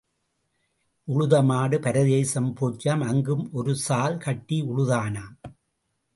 உழுத மாடு பரதேசம் போச்சாம் அங்கும் ஒரு சால் கட்டி உழுதானாம்.